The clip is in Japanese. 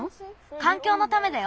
かんきょうのためだよ。